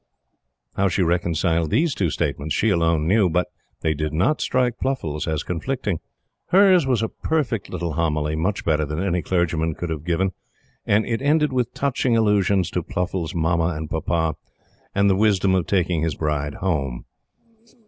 How she reconciled these two statements she alone knew. But they did not strike Pluffles as conflicting. Hers was a perfect little homily much better than any clergyman could have given and it ended with touching allusions to Pluffles' Mamma and Papa, and the wisdom of taking his bride Home.